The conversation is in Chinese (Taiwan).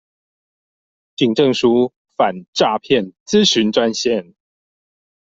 警政署反詐騙諮詢專線